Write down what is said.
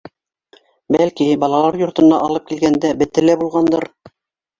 Бәлки, балалар йортона алып килгәндә бете лә булғандыр.